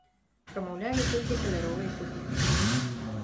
Прамаўлялі толькі каляровыя фігуркі.